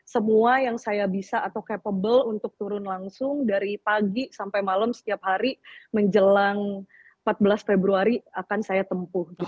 semua yang saya bisa atau capable untuk turun langsung dari pagi sampai malam setiap hari menjelang empat belas februari akan saya tempuh